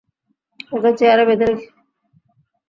ওকে চেয়ারে বেঁধে রেখে?